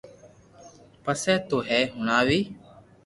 پسي تو ھي ھڻاوي